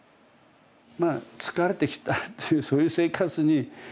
まあ疲れてきたっていうそういう生活に。